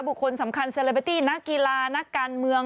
บุคคลสำคัญเซเลเบตี้นักกีฬานักการเมือง